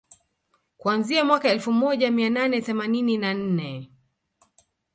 kuanzia mwaka elfu moja mia nane themanini na nne